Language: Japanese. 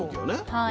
はい。